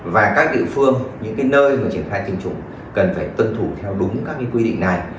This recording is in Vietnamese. và các địa phương những nơi mà triển khai tiêm chủng cần phải tuân thủ theo đúng các quy định này